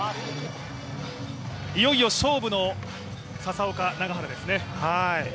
いよいよ勝負の笹岡、永原ですね。